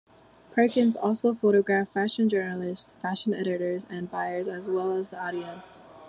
Perkins also photographed fashion journalists, fashion editors and buyers as well as the audience.